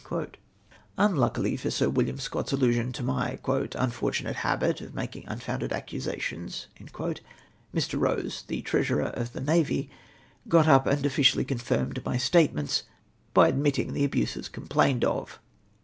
Unluckily for Sk William Scott's allusion to my " un fortunate habit of making unfomided accusations," Mr, Eose, the treasurer of the Nav^^, got up and officially confirmed my statements, by admitting the abuses com plained of!